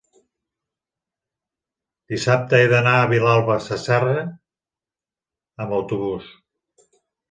dissabte he d'anar a Vilalba Sasserra amb autobús.